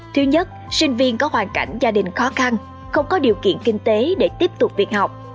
thứ nhất sinh viên có hoàn cảnh gia đình khó khăn không có điều kiện kinh tế để tiếp tục việc học